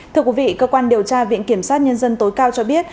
thưa quý vị cơ quan điều tra viện kiểm sát nhân dân tối cao cho biết